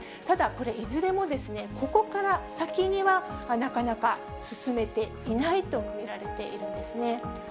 ただこれ、いずれもここから先にはなかなか進めていないと見られているんですね。